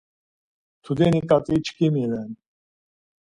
Tudeni ǩat̆i çkimi ren.